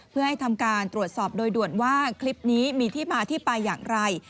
เพื่อให้ทำการตรวจสอบโดยด่วนว่าคลิปนี้มีที่มาที่ไปอย่างไร